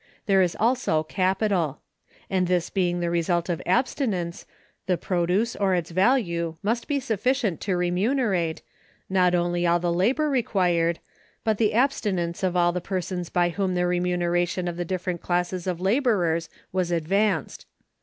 There is also capital; and this being the result of abstinence, the produce, or its value, must be sufficient to remunerate, not only all the labor required, but the abstinence of all the persons by whom the remuneration of the different classes of laborers was advanced.